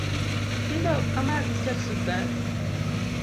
Tinde ok amadh chach sukari